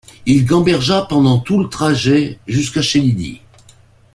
Il gambergea pendant tout le trajet jusque chez Lydie.